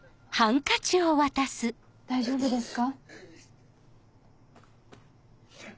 大丈夫ですか？